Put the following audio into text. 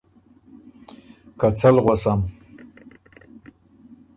که څۀ ل غؤسم؟